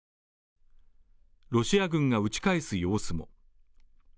ロシア軍が撃ち返す様子も。